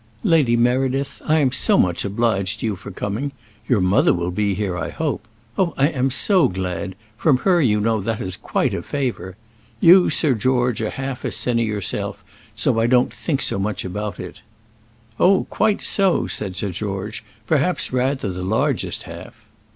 Lady Meredith, I am so much obliged to you for coming your mother will be here, I hope. Oh, I am so glad! From her you know that is quite a favour. You, Sir George, are half a sinner yourself, so I don't think so much about it." "Oh, quite so," said Sir George; "perhaps rather the largest half."